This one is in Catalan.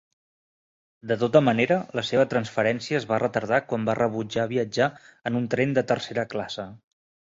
De tota manera, la seva transferència es va retardar quan va rebutjar viatjar en un tren de tercera classe.